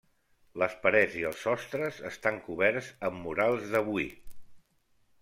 Les parets i els sostres estan coberts amb murals d'avui.